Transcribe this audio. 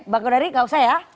bang kodari gak usah ya